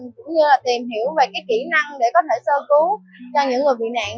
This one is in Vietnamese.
cũng như là tìm hiểu về cái kỹ năng để có thể sơ cứu cho những người bị nạn